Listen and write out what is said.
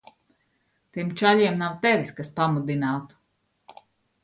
Tiem čaļiem nav tevis, kas pamudinātu.